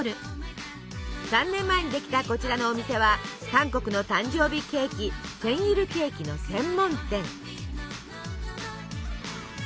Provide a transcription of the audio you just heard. ３年前にできたこちらのお店は韓国の誕生日ケーキセンイルケーキの専門店。